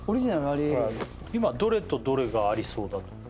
今どれとどれがありそうだと？